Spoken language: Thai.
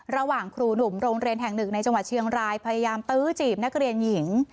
ระหว่างครูหนุ่มโรงเรียนแห่งหนึ่งในจังหวัดเชียงรายพยายามตื้อจีบนักเรียนหญิง